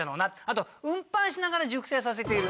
あと「運搬しながら熟成させている」。